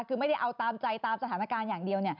คือไม่ได้เอาตามใจตามสถานการณ์อย่างเดียว